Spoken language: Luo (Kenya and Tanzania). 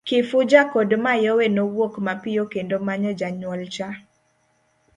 Kifuja kod Mayowe nowuok mapiyo kendo manyo janyuol cha.